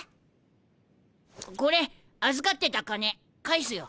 これ預かってた金返すよ。